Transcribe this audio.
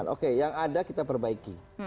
oke yang ada kita perbaiki